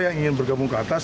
yang ingin bergabung ke atas